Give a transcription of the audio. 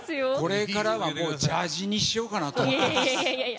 これからはジャージーにしようかなと思ってます。